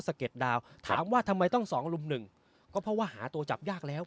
เก็ดดาวถามว่าทำไมต้องสองลุมหนึ่งก็เพราะว่าหาตัวจับยากแล้ว